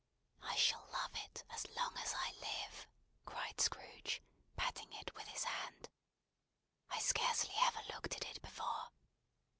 "I shall love it, as long as I live!" cried Scrooge, patting it with his hand. "I scarcely ever looked at it before.